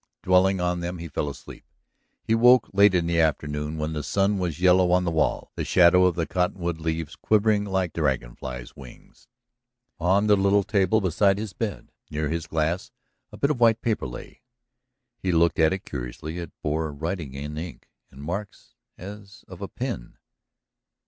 Dwelling on them he fell asleep. He woke late in the afternoon, when the sun was yellow on the wall, the shadow of the cottonwood leaves quivering like dragonflies' wings. On the little table beside his bed, near his glass, a bit of white paper lay. He looked at it curiously. It bore writing in ink and marks as of a pin.